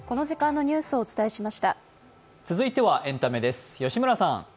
続いてはエンタメです。